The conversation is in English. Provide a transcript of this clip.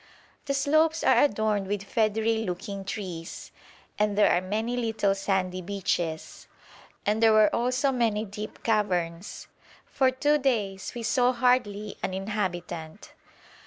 The slopes are adorned with feathery looking trees, and there are many little sandy beaches, and there were also many deep caverns. For two days we saw hardly an inhabitant.